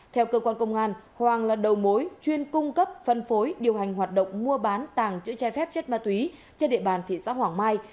theo cơ quan công an hoàng là đầu mối chuyên cung cấp phân phối điều hành hoạt động mua bán tàng chữ trái phép chất ma túy trên địa bàn thị xã hoàng mai